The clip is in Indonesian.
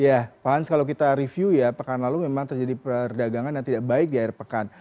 ya pak hans kalau kita review ya pekan lalu memang terjadi perdagangan yang tidak baik di akhir pekan